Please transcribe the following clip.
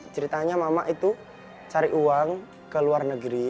ceritanya mama itu cari uang ke luar negeri